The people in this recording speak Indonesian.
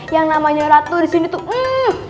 yang namanya ratu disini tuh